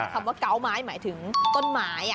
คำว่าเกาะไม้หมายถึงต้นไม้